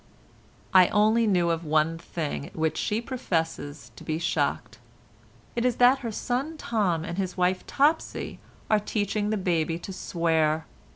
I only knew of one thing at which she professes to be shocked. It is that her son Tom and his wife Topsy are teaching the baby to swear.